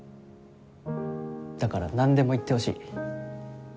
だから何でも言ってほしい。